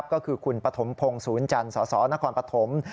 ก็คือคุณปฐมพงศ์ศูนย์จันทร์สสนครปฐม